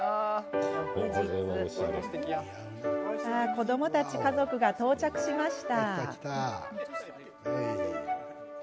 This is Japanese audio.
子どもたち家族が到着しました。